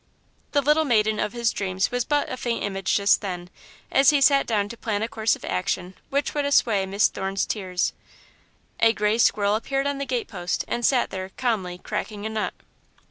The little maiden of his dreams was but a faint image just then, as he sat down to plan a course of action which would assuage Miss Thorne's tears. A grey squirrel appeared on the gate post, and sat there, calmly, cracking a nut.